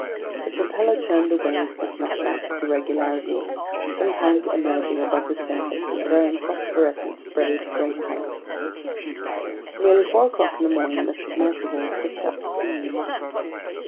The propeller churned the waves with mathematical regularity, sometimes emerging above the surface and throwing phosphorescent spray to great heights. Near four o'clock in the morning, the submersible picked up speed.